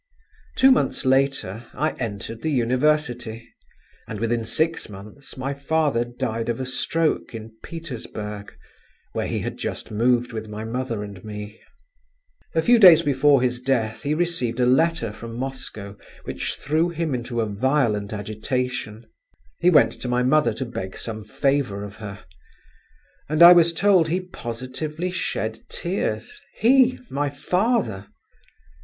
Two months later, I entered the university; and within six months my father died of a stroke in Petersburg, where he had just moved with my mother and me. A few days before his death he received a letter from Moscow which threw him into a violent agitation…. He went to my mother to beg some favour of her: and, I was told, he positively shed tears—he, my father!